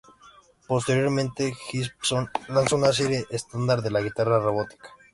Posteriormente Gibson lanzó una serie estándar de la guitarra robótica.